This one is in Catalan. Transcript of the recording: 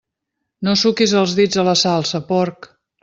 No suquis els dits a la salsa, porc!